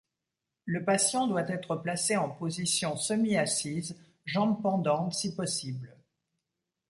Le patient doit être placé en position semi-assise, jambes pendantes si possible.